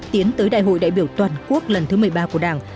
tiến tới đại hội đại biểu toàn quốc lần thứ một mươi ba của đảng